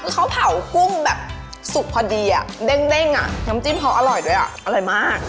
คือเขาเผากุ้งแบบสุกพอดีอ่ะเด้งอ่ะน้ำจิ้มเขาอร่อยด้วยอ่ะอร่อยมาก